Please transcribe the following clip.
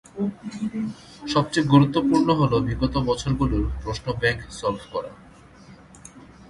সবচেয়ে গুরুত্বপূর্ণ হল বিগত বছরগুলোর প্রশ্ন ব্যাংক সলভ করা।